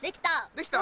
できた？